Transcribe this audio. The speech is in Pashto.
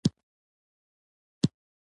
لمسی د پلار پښې نښان تعقیبوي.